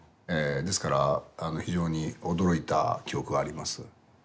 ですから非常に驚いた記憶があります。